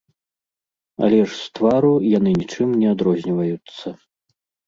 Але ж з твару яны нічым не адрозніваюцца.